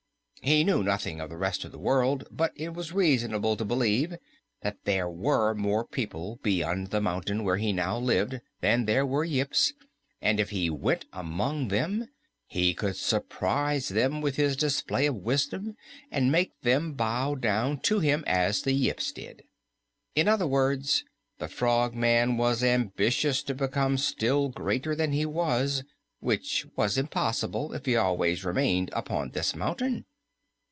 He knew nothing of the rest of the world, but it was reasonable to believe that there were more people beyond the mountain where he now lived than there were Yips, and if he went among them he could surprise them with his display of wisdom and make them bow down to him as the Yips did. In other words, the Frogman was ambitious to become still greater than he was, which was impossible if he always remained upon this mountain.